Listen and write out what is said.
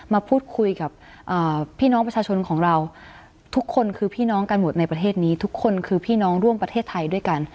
มาพูดคุยกับพี่น้องประชาชนของเราทุกคนคือพี่น้องกันหมดในประเทศนี้ทุกคนคือพี่น้องร่วมประเทศไทยด้วยกัน